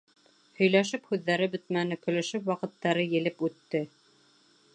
Һөйләшеп һүҙҙәре бөтмәне, көлөшөп ваҡыттары елеп үтте.